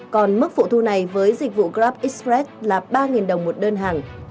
còn mức phụ thu này với dịch vụ grabexpress là ba đồng một đơn hàng